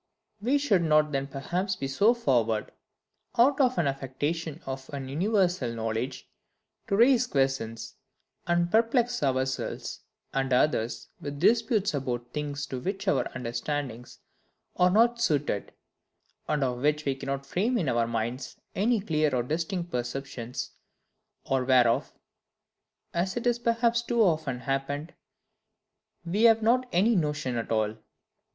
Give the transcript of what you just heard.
We should not then perhaps be so forward, out of an affectation of an universal knowledge, to raise questions, and perplex ourselves and others with disputes about things to which our understandings are not suited; and of which we cannot frame in our minds any clear or distinct perceptions, or whereof (as it has perhaps too often happened) we have not any notions at all.